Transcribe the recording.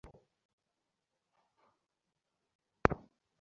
Please, Hardin, তুমি কি ভাবতে পারো তুমি কি করছ?